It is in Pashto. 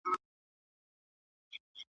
د غریبانو حق باید په مینه ادا سي.